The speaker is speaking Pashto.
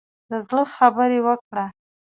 د زړه خبرې وکړه.